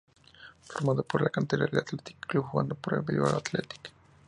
Formado en la cantera del Athletic Club, jugando para el Bilbao Athletic.